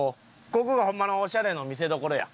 ここがホンマのオシャレの見せどころや。